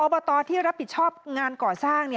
บตที่รับผิดชอบงานก่อสร้าง